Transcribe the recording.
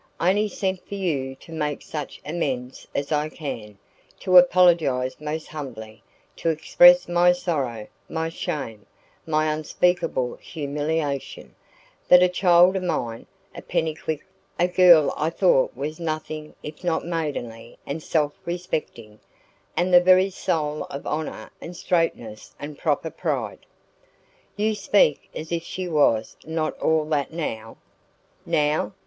I only sent for you to make such amends as I can to apologise most humbly to express my sorrow my shame my unspeakable humiliation that a child of mine a Pennycuick a girl I thought was nothing if not maidenly and self respecting, and the very soul of honour and straightness and proper pride " "You speak as if she was not all that now " "NOW!